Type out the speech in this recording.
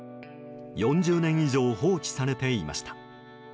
４０年以上放置されていました。